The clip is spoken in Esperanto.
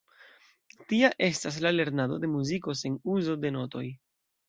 Tia estas la lernado de muziko sen uzo de notoj.